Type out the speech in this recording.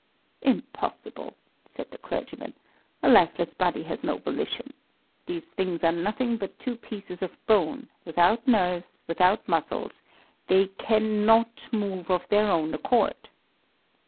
"'Impossible,' said the clergyman. 'A lifeless body has no volition. These things are nothing but two pieces of bone, without nerves, without muscles: they cannot move of their own accord.'